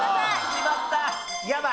しまった！